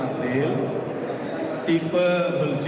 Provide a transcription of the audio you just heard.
yang diambil tipe belsa